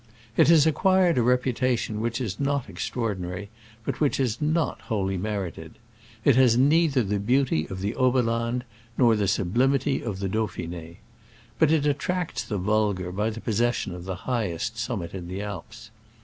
It has acquired a reputation which is not extraordinary, but which is not wholly merited. It has neither the beauty of the Oberland nor the sublimity of Dauphine. But it at tracts the vulgar by the possession of the highest summit in the Alps.